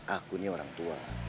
aku ini orang tua